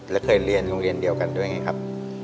และเคยเรียนโรงเรียนเดียวกันด้วยไงครับ